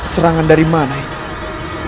serangan dari mana ini